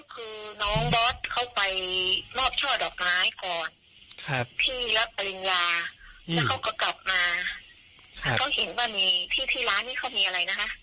คือน้องบอสเข้าไปมอบช่อดอกไม้ก่อนที่รับปริญญาแล้วเขาก็กลับมา